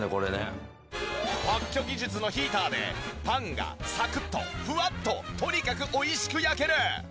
特許技術のヒーターでパンがサクッとフワッととにかく美味しく焼ける！